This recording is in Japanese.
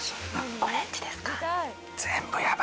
オレンジですか？